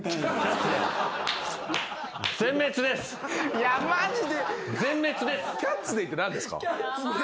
いやマジで。